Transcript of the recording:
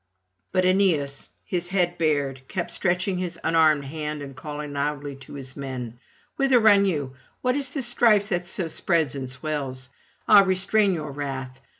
But good Aeneas, his head bared, kept stretching his unarmed hand and calling loudly to his men: 'Whither run you? What is this strife that so spreads and swells? Ah, restrain your wrath!